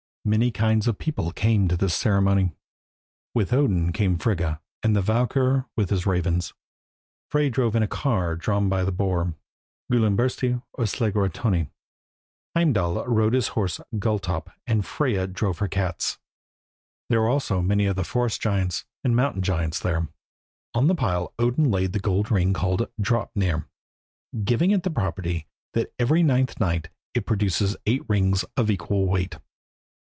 Many kinds of people came to this ceremony. With Odin came Frigga and the Valkyrjor with his ravens. Frey drove in a car drawn by the boar, Gullinbursti or Slidrugtanni. Heimdall rode the horse Gulltopp, and Freyja drove her cats. There were also many of the forest giants and mountain giants there. On the pile Odin laid the gold ring called Draupnir, giving it the property that every ninth night it produces eight rings of equal weight.